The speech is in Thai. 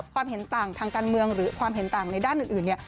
เห็นต่างทางการเมืองหรือความเห็นต่างในด้านอื่นเนี่ย